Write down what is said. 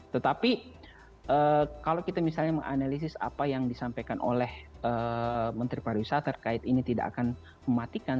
tetapi kalau kita misalnya menganalisis apa yang disampaikan oleh menteri pariwisata terkait ini tidak akan mematikan